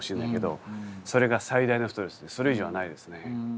それが最大のストレスでそれ以上はないですね。